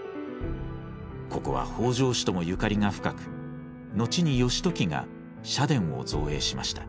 ここは北条氏ともゆかりが深く後に義時が社殿を造営しました。